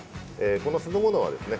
この酢の物はですね